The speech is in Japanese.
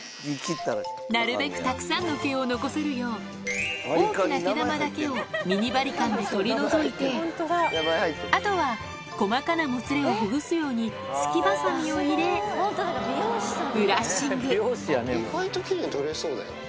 なるべくたくさんの毛を残せるよう、大きな毛玉だけをミニバリカンで取り除いて、あとは細かなもつれをほぐすように、意外ときれいに取れそうだよ。